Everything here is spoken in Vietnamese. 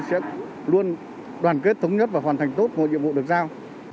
sẽ luôn đoàn kết thống nhất và hoàn thành tốt mọi nhiệm vụ được giao